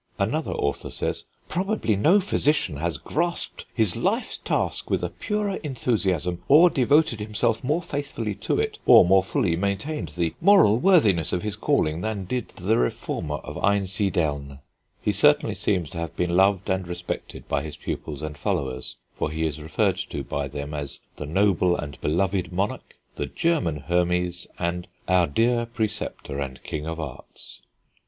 Another author says: "Probably no physician has grasped his life's task with a purer enthusiasm, or devoted himself more faithfully to it, or more fully maintained the moral worthiness of his calling than did the reformer of Einsiedeln." He certainly seems to have been loved and respected by his pupils and followers, for he is referred to by them as "the noble and beloved monarch," "the German Hemes," and "our dear Preceptor and King of Arts."